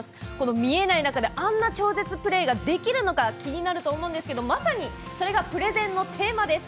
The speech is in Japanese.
見えない中であんな超絶プレーができるのか気になると思うんですがまさに、それがプレゼンのテーマです。